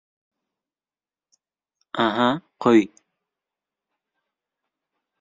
— Aha, qo‘y!..